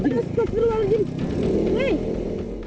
ini apaan lu anjing